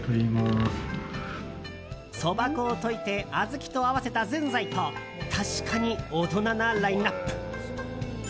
そば粉を溶いて小豆と合わせたぜんざいと確かに大人なラインアップ。